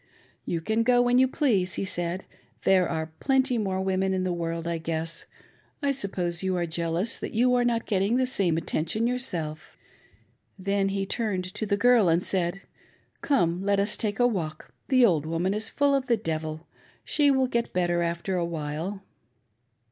"You can go when you please," he said, "there are plenty more women in the world, I guess. I suppose you are jealous that you are not getting the same attention yourself." Then he turned to the girl and said, "Come, let us take a walk; the old woman is full of the devil — she will get better after awhile."